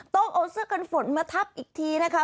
ต้องเอาเสื้อกันฝนมาทับอีกทีนะคะ